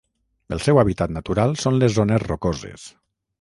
El seu hàbitat natural són les zones rocoses.